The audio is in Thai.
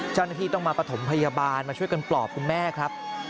เจ้าหน้าที่ต้องมาประถมพยาบาลมาช่วยกันปลอบคุณแม่ครับ